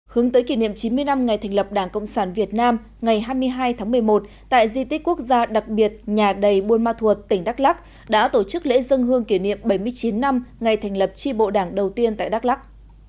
hướng tới kỷ niệm chín mươi năm ngày thành lập đảng cộng sản việt nam ngày hai mươi hai tháng một mươi một tại di tích quốc gia đặc biệt nhà đầy buôn ma thuột tỉnh đắk lắc đã tổ chức lễ dân hương kỷ niệm bảy mươi chín năm ngày thành lập tri bộ đảng đầu tiên tại đắk lắc